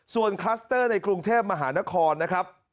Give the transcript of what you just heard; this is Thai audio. ส่วนคลัสเตอร์ในกรุงเทพมหานครนะครับ